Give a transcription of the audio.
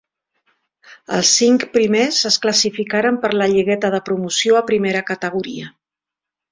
Els cinc primers es classificaren per la lligueta de promoció a Primera Categoria.